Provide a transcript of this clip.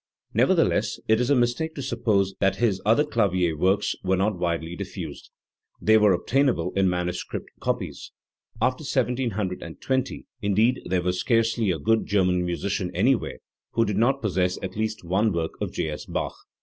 Nevertheless it is a mistake to suppose that his other clavier works were not widely diffused, Tjhey were ob , tainable in manuscript copies. After 1720, indeed, there was scarcely a good German musician anywhere who did not possess at least one work of J. S Bach.